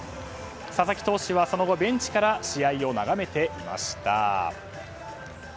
佐々木投手はその後ベンチから試合を眺めていました。